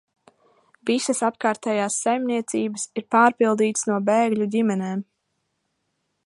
Visas apkārtējās saimniecības ir pārpildītas no bēgļu ģimenēm.